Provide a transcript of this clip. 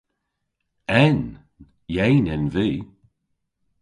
En! Yeyn en vy.